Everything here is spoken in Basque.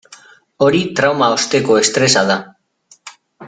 Hori trauma osteko estresa da.